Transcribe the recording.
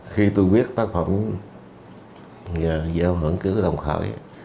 khi tôi viết tác phẩm giao hưởng ký ức đồng khởi